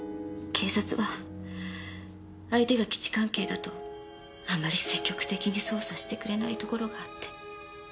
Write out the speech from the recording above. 警察は相手が基地関係だとあんまり積極的に捜査してくれないところがあって。